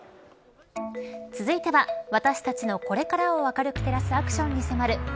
続いては私たちのこれからを明るく照らすアクションに迫る＃